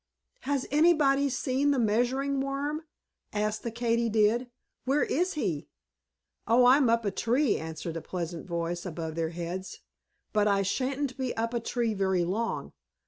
"Has anybody seen the Measuring Worm?" asked the Katydid. "Where is he?" "Oh, I'm up a tree," answered a pleasant voice above their heads, "but I sha'n't be up a tree very long.